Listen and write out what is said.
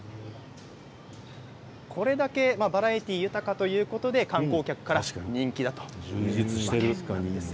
これだけバラエティー豊かということで観光客から人気だということです。